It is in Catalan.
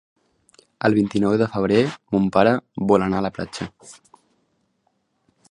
El vint-i-nou de febrer mon pare vol anar a la platja.